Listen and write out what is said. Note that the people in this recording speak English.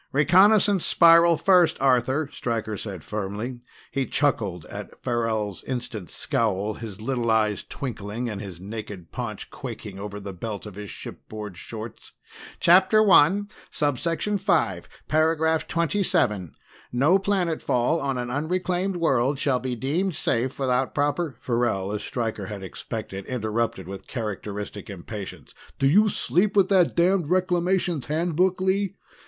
"Reconnaissance spiral first, Arthur," Stryker said firmly. He chuckled at Farrell's instant scowl, his little eyes twinkling and his naked paunch quaking over the belt of his shipboard shorts. "Chapter One, Subsection Five, Paragraph Twenty seven: _No planetfall on an unreclaimed world shall be deemed safe without proper _" Farrell, as Stryker had expected, interrupted with characteristic impatience. "Do you sleep with that damned Reclamations Handbook, Lee?